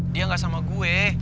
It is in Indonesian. dia gak sama gue